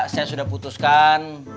saya sudah putuskan